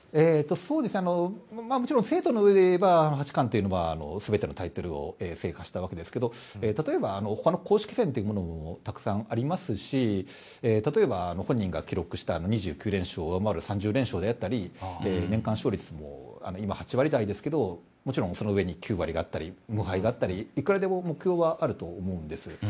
もちろん制度のうえでいえば八冠という全てのタイトルを制覇したわけですが例えば、他の公式戦というのもたくさんありますし例えば本人が記録した２９連勝を上回る３０連勝や年間勝率が今８割ですけどその上に無敗があったりいくらでも目標はあると思うんです。